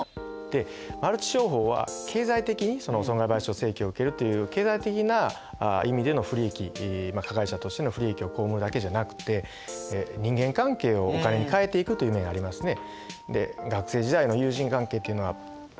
でマルチ商法は経済的に損害賠償請求を受けるという経済的な意味での不利益加害者としての不利益を被るだけじゃなくて人間関係をお金に変えていくという面ありますね。